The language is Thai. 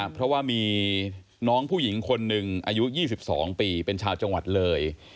เพราะว่ามีน้องผู้หญิงคนหนึ่งอายุ๒๒ปีเป็นชาวจังหวัดเลย